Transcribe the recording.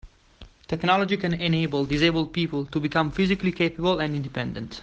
Technology can enable disabled people to become physically capable and independent.